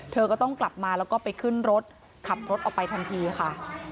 เธอก็ต้องกลับมาแล้วก็ไปขึ้นรถขับรถออกไปทันทีค่ะ